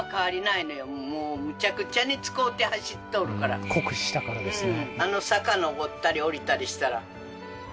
本当だ酷使したからですね